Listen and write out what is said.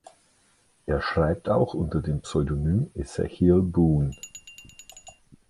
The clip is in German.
Er schreibt auch unter dem Pseudonym Ezekiel Boone.